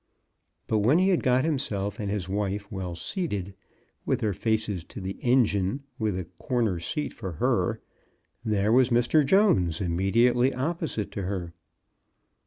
But when 64 CHRISTMAS AT THOMPSON HALL. he had got himself and his wife well seated, with their faces to the engine, with a corner seat for her — there was Mr. Jones immediately opposite to her.